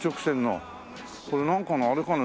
これなんかのあれかな？